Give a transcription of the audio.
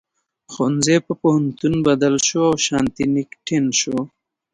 ښوونځي په پوهنتون بدل شو او شانتي نیکیتن شو.